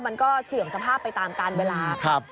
เสื่อมสภาพไปตามการเวลา